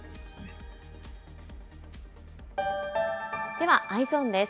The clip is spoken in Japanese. では、Ｅｙｅｓｏｎです。